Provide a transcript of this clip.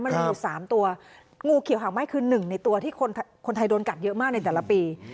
มันมีอยู่๓ตัวงูเขียวหางไหม้คือหนึ่งในตัวที่คนไทยโดนกัดเยอะมากในแต่ละปี